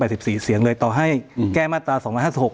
แปดสิบสี่เสียงเลยต่อให้อืมแก้มาตราสองพันห้าสี่หก